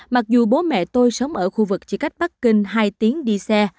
mặc dù bố mẹ tôi sống ở khu vực chỉ cách bắc kinh hai tiếng đi xe